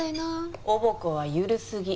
おぼこは緩すぎ。